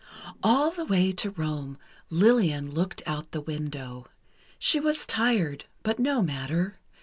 All the way to Rome, Lillian looked out the window. She was tired, but no matter.